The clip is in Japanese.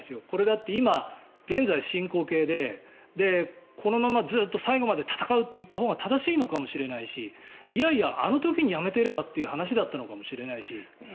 これだって今、現在進行形でこのままずっと最後まで戦うといったほうが正しいのかもしれないしいやいや、あの時にやめてればという話だったのかもしれないし。